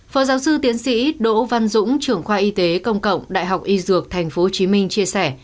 phó giáo sư tiến sĩ đỗ văn dũng trưởng khoa y tế công cộng đại học y dược tp hcm chia sẻ